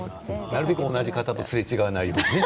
なるべく同じ方とすれ違わないようにね。